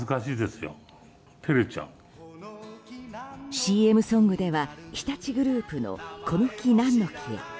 ＣＭソングでは日立グループの「この木なんの木」